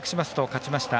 勝ちました